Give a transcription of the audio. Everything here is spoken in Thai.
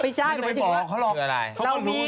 ไม่ใช่ไม่ได้บอกเขาหรอก